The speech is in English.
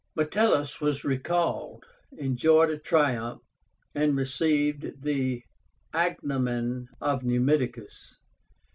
Metellus was recalled, enjoyed a triumph, and received the agnomen of NUMIDICUS.